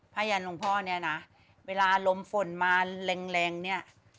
พระอัญญาณหลวงพ่อนี้นะเวลารมฝนมาแรงเนี่ย